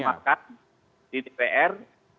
kita memaksa di dpr